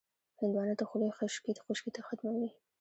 هندوانه د خولې خشکي ختموي.